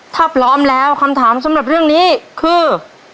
ถ้าพร้อมแล้วคำถามสำหรับเรื่องนี้คือ